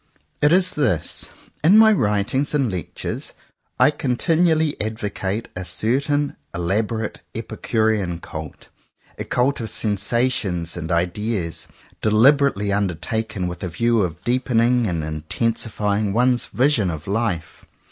It is this. In my writings and lectures I continually advocate a certain elaborate epicurean cult — a cult of sensations and ideas, deliberately undertaken with a view to deepening and intensifying one's vision of life.